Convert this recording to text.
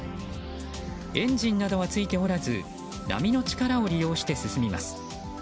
エンジンなどはついておらず波の力を利用して進みます。